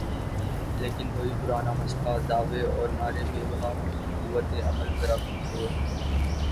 لیکن وہی پرانا مسئلہ، دعوے اور نعرے بے بہا، قوت عمل ذرا کمزور۔